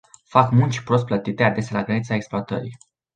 Fac munci prost plătite adesea la granița exploatării.